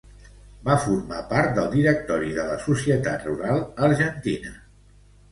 Va formar part del directori de la Societat Rural Argentina.